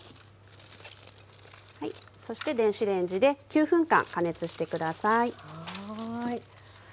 そして電子レンジで９分間加熱して下さい。